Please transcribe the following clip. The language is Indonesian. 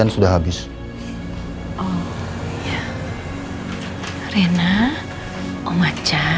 suapin rena ya